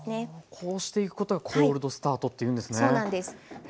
こうしていくことが「コールドスタート」っていうんですね。